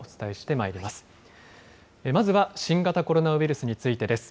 まずは新型コロナウイルスについてです。